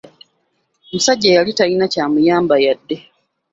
Omusajja yali talina kyamuyamba yadde.